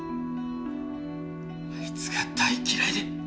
あいつが大嫌いで。